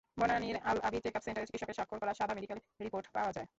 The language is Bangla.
বনানীর আল-আবির চেকআপ সেন্টারে চিকিৎসকের স্বাক্ষর করা সাদা মেডিকেল রিপোর্ট পাওয়া যায়।